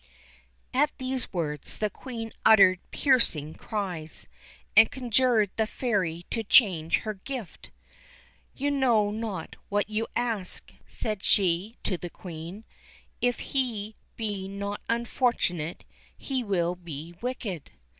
At these words the Queen uttered piercing cries, and conjured the Fairy to change her gift. "You know not what you ask," said she to the Queen. "If he be not unfortunate, he will be wicked."